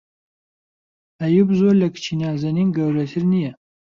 ئەییووب زۆر لە کچی نازەنین گەورەتر نییە.